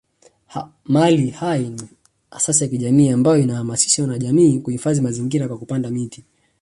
Mali Hai ni asasi ya kijamii ambayo inahamasisha wanajamii kuhifadhi mazingiÅa kwa kupanda miti